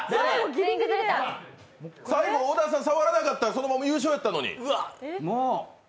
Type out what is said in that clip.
最後、小田さん、触らなかったら優勝だったのに。